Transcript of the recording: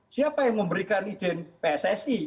siapa yang memberikan izin pssi